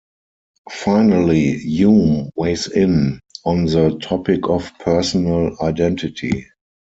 Finally, Hume weighs in on the topic of personal identity.